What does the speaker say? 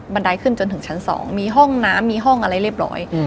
ไดขึ้นจนถึงชั้น๒มีห้องน้ำมีห้องอะไรเรียบร้อย